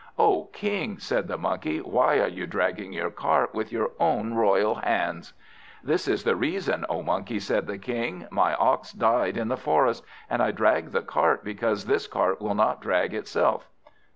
"O King," said the Monkey, "why are you dragging your cart with your own royal hands?" "This is the reason, O Monkey!" said the King. "My ox died in the forest, and I drag the cart because this cart will not drag itself."